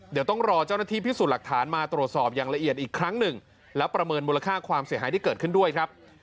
เดี๋ยวต้องรอเจ้าหน้าที่พิสูจน์หลักฐานมาตรวจสอบอย่างละเอียดอีกครั้งหนึ่งแล้วประเมินมูลค่าความเสียหายที่เกิดขึ้นด้วยครับ